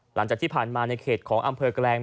หลังจากที่ผ่านมาในเขตของอำเภอแกลง